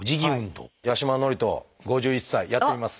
八嶋智人５１歳やってみます。